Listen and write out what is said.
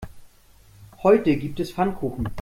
Heute gibt es Pfannkuchen.